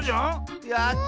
やった！